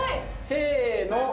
せの。